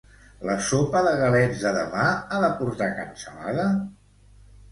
La sopa de galets de demà ha de portar cansalada?